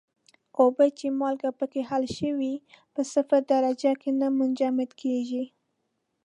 اوبه چې مالګه پکې حل شوې په صفر درجه کې نه منجمد کیږي.